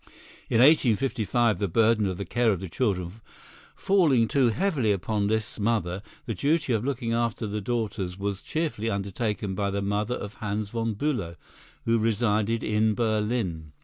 In 1855, the burden of the care of the children falling too heavily upon Liszt's mother, the duty of looking after the daughters was cheerfully undertaken by the mother of Hans von Bülow, who resided in Berlin.